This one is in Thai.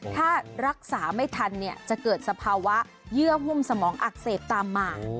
ถ้ารักษาไม่ทันจะเกิดสภาวะเยื่อหุ้มสมองอักเสบตามมา